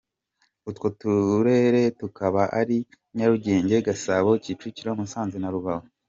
Utwo turere tukaba ari Nyarugenge, Gasabo, Kicukiro, Musanze na Rubavu.